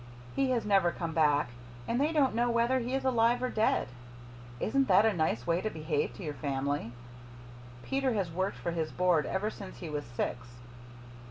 He has never come back, and they don't know whether he is alive or dead. Isn't that a nice way to behave to your family? Peter has worked for his board ever since he was six.